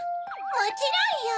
もちろんよ！